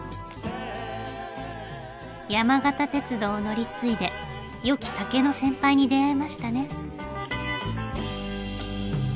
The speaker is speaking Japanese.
山形鉄道を乗り継いで良き酒の先輩に出会えましたね。